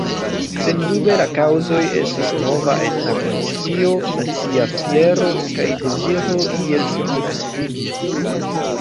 Sendube la kaŭzoj estas nova etna konscio, nacia fiero kaj deziro iel sendependiĝi.